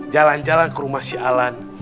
jalan jalan ke rumah si alan